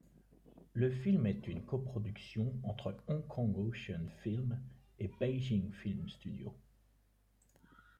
Le film est une co-production entre Hong Kong Ocean Film et Beijing Film Studio.